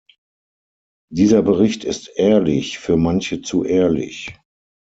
Dieser Bericht ist ehrlich für manche zu ehrlich.